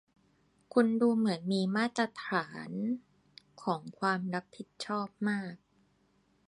คุณดูเหมือนมีมาตรฐานของความรับผิดชอบมาก